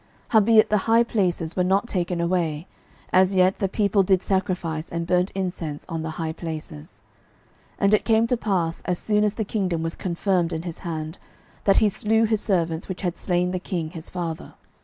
12:014:004 Howbeit the high places were not taken away: as yet the people did sacrifice and burnt incense on the high places. 12:014:005 And it came to pass, as soon as the kingdom was confirmed in his hand, that he slew his servants which had slain the king his father.